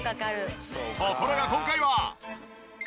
ところが今回は。